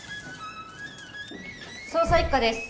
捜査一課です。